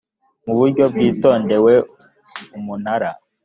mu buryo bwitondewe umunara